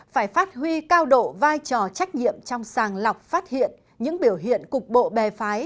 phải phát huy cao độ vai trò trách nhiệm trong sàng lọc phát hiện những biểu hiện cục bộ bè phái